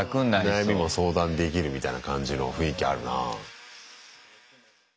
悩みも相談できるみたいな感じの雰囲気あるなぁ。